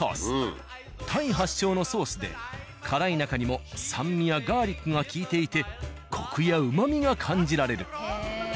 タイ発祥のソースで辛い中にも酸味やガーリックがきいていてコクや旨味が感じられる。